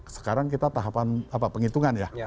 sekarang kita tahapan penghitungan ya